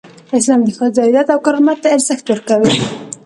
اسلام د ښځو عزت او کرامت ته ارزښت ورکوي.